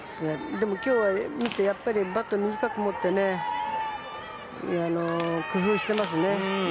でも、今日は見てバットを短く持って工夫していますね。